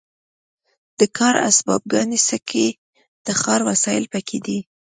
د کار اسباب ګاڼې سکې د ښکار وسایل پکې دي.